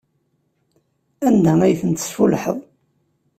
Anda ay ten-tesfullḥeḍ?